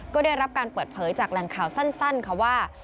ก็ได้รับการเปิดเผยจากแหล่งข่าวสั้นค่ะว่า